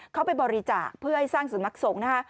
เขาไปบริจาคเพื่อให้สร้างสำนักสงฆ์นะคะ